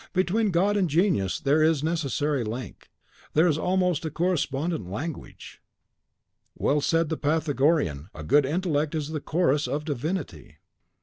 Between God and genius there is a necessary link, there is almost a correspondent language. Well said the Pythagorean (Sextus, the Pythagorean.), 'A good intellect is the chorus of divinity.